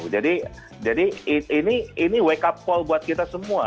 jadi ini wake up call buat kita semua